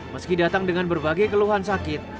meski datang dengan berbagai keluhan sakit